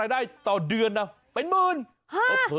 ดูนี่นมันยังเล็กอยู่อ่ะหรอ